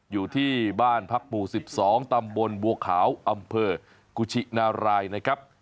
อยู่ที่บ้านพักหมู่๑๒ตำบลบัวขาวอำเภอกุชินารายนะครับ